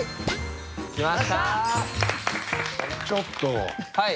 ちょっと。